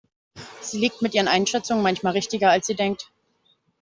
Sie liegt mit ihren Einschätzungen manchmal richtiger, als sie denkt.